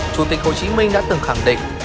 chủ tịch hồ chí minh đã từng khẳng định